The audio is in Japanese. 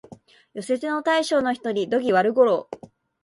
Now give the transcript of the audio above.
寄せ手の大将の一人、土岐悪五郎